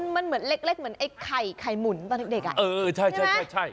มันเหมือนเล็กไข่หมุนตอนเด็กใช่มั้ย